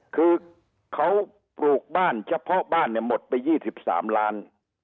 คือเขาปลูกบ้านเฉพาะบ้านเนี่ยหมดไป๒๓ล้าน